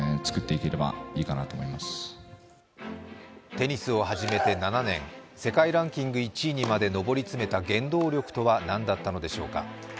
テニスを始めて７年、世界ランク１位にまで上り詰めた原動力とは何だったのでしょうか。